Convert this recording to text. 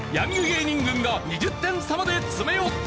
芸人軍が２０点差まで詰め寄った。